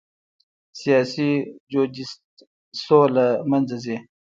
سیاسي جوجیتسو له منځه ځي.